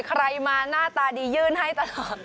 ใครมาหน้าตาดียื่นให้ตลอด